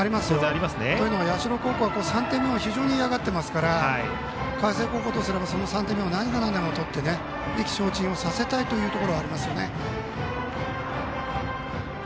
ありますよ。というのも社高校は３点目を非常に嫌がっていますから海星高校とすれば３点目を何がなんでもとって意気消沈をさせたいところがありますね。